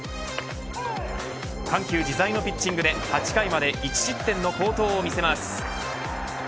緩急自在のピッチングで８回まで１失点の好投を見せます。